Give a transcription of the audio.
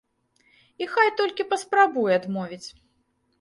І хай толькі паспрабуе адмовіць.